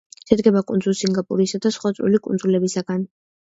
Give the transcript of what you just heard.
შედგება კუნძულ სინგაპურისა და სხვა წვრილი კუნძულებისაგან.